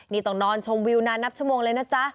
นี่ต้องนอนชมวิวนานนับชั่วโมงเลยนะจ๊ะ